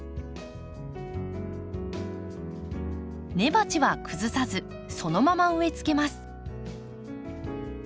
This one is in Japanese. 根鉢は崩さずそのまま植えつけます。